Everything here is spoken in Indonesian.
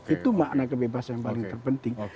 itu makna kebebasan yang paling terpenting